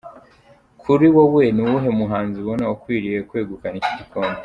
Kuri wowe ni uwuhe muhanzi ubona ukwiriye kwegukana iki gikombe?.